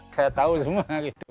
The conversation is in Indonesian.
saya tahu semua